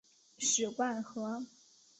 史灌河